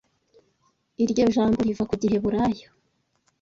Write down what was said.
Iryo jambo riva ku giheburayo